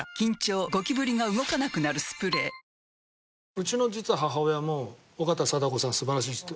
うちの実は母親も緒方貞子さん素晴らしいって。